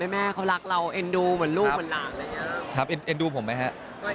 แม่เขารักเราเอ็นดูเหมือนลูกเหมือนหลัง